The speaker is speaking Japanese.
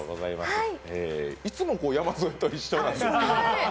いつも山添と一緒なんですね。